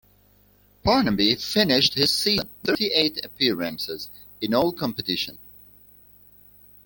Parnaby finished his season, making thirty-eight appearance in all competition.